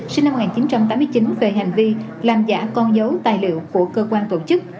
sinh năm một nghìn chín trăm tám mươi chín về hành vi làm giả con dấu tài liệu của cơ quan tổ chức